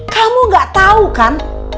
kamu gak tau kan